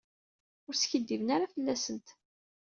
Ur skiddiben ara fell-asent.